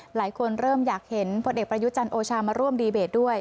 หลายคนเริ่มอยากเห็นผลเอกประยุจันทร์โอชามาร่วมดีเบตด้วย